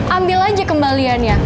ambil aja kembaliannya